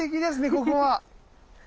ここは。